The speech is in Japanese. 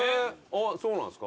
そうなんすか？